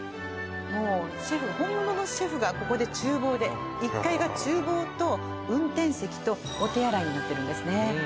もう本物のシェフがここで厨房で１階が厨房と運転席とお手洗いになってるんですね